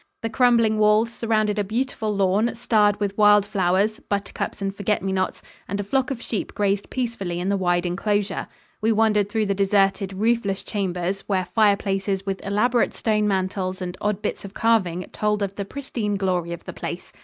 The crumbling walls surrounded a beautiful lawn, starred with wild flowers buttercups and forget me nots and a flock of sheep grazed peacefully in the wide enclosure. We wandered through the deserted, roofless chambers where fireplaces with elaborate stone mantels and odd bits of carving told of the pristine glory of the place.